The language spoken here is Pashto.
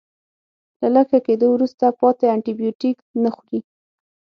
له لږ ښه کیدو وروسته پاتې انټي بیوټیک نه خوري.